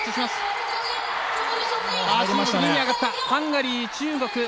ハンガリー、中国